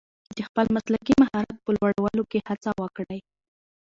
د خپل مسلکي مهارت په لوړولو کې هڅه وکړئ.